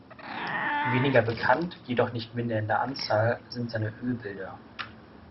Weniger bekannt, jedoch nicht minder in der Anzahl, sind seine Ölbilder.